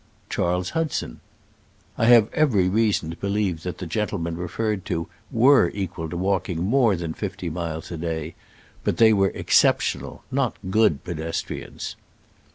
" Charles Hudson." I have every reason to believe that the gentlemen referred to wer^ equal to walking more than fifty miles a day, but they were exception al, not g^ood pedestrians.